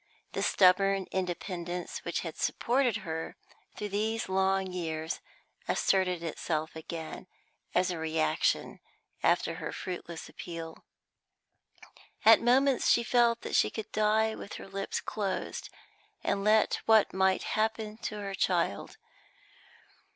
The stubborn independence which had supported her through these long years asserted itself again, as a reaction after her fruitless appeal; at moments she felt that she could die with her lips closed, and let what might happen to her child.